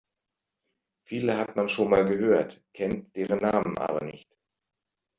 Viele hat man schon mal gehört, kennt deren Namen aber nicht.